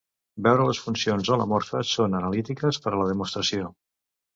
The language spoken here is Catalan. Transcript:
Veure les funcions holomorfes són analítiques per a la demostració.